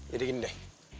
jadi gini deh